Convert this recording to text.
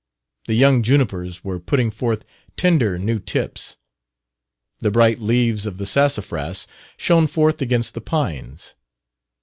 The young junipers were putting forth tender new tips; the bright leaves of the sassafras shone forth against the pines.